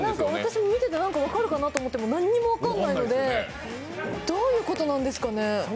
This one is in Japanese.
私も見てて、何か分かるかなと思っても何も分からないので、どういうことなんですかね。